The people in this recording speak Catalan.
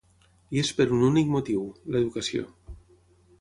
I és per un únic motiu: l’educació.